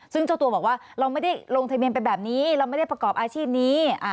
ซึ่งเจ้าตัวบอกว่าเราไม่ได้ลงทะเบียนไปแบบนี้เราไม่ได้ประกอบอาชีพนี้